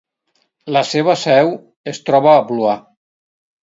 La seva seu es troba a Blois.